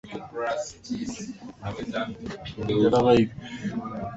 ee makubaliano juu ya mpango wa kuzalisha nuclear liz masinga kulikoni